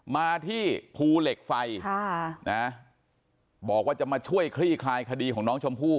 มาที่ภูเหล็กไฟบอกว่าจะมาช่วยคลี่คลายคดีของน้องชมพู่